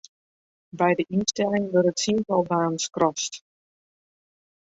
By de ynstelling wurde tsientallen banen skrast.